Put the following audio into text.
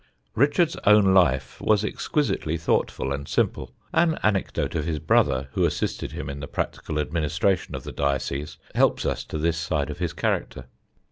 Richard's own life was exquisitely thoughtful and simple. An anecdote of his brother, who assisted him in the practical administration of the diocese, helps us to this side of his character.